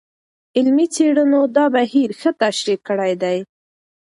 علمي څېړنو دا بهیر ښه تشریح کړی دی.